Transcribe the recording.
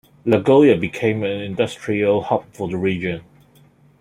Nagoya became an industrial hub for the region.